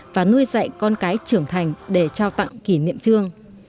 và nuôi dạy con cái trưởng thành để trao tặng kỷ niệm trương